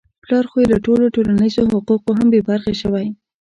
پلار خو يې له ټولو ټولنیزو حقوقو هم بې برخې شوی.